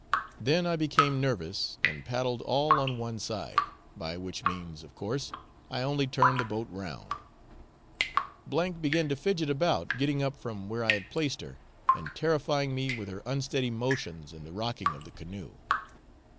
Then I became nervous, and paddled all on one side, by which means, of course, I only turned the boat round. S began to fidget about, getting up from where I had placed her, and terrifying me with her unsteady motions and the rocking of the canoe.